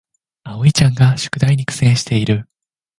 あおいちゃんが宿題に苦戦している